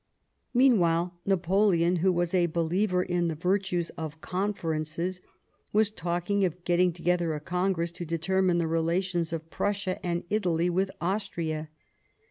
Meanwhile, Napoleon, who was a believer in the virtue of Conferences, was talking of getting together a Congress to determine the relations of Prussia and Italy with Austria.